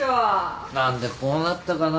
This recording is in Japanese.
何でこうなったかな？